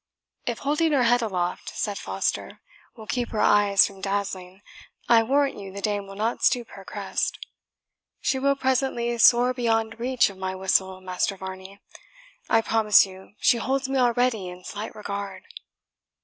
"If holding her head aloft," said Foster, "will keep her eyes from dazzling, I warrant you the dame will not stoop her crest. She will presently soar beyond reach of my whistle, Master Varney. I promise you, she holds me already in slight regard."